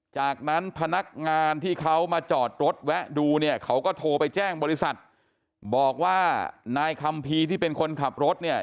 จากนั้นพนักงานที่เขามาจอดรถแวะดูเนี่ยเขาก็โทรไปแจ้งบริษัทบอกว่านายคัมภีร์ที่เป็นคนขับรถเนี่ย